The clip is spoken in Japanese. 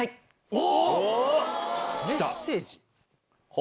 お！